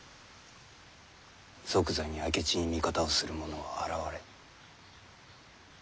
即座に明智に味方をする者は現れぬ。